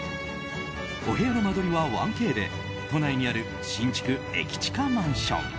お部屋の間取りは１Ｋで都内にある新築、駅近マンション。